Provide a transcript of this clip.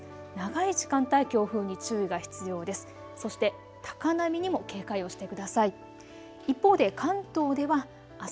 長い時間帯、強風に注意が必要です。